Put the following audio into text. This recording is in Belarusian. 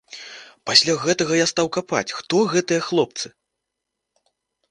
Пасля гэтага я стаў капаць, хто гэтыя хлопцы.